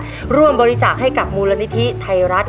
ร่วมบริจาคให้กับมูลนิธิไทยรัฐ